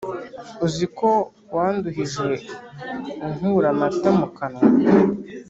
uzi ko wanduhije unkura amata mu munwa,